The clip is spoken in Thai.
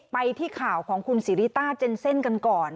ไปที่ข่าวของคุณสิริต้าเจนเซ่นกันก่อน